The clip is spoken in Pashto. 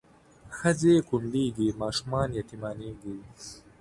ښځې کونډېږي ماشومان یتیمانېږي